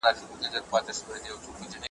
ستا په خوله کي مي د ژوند وروستی ساعت وو .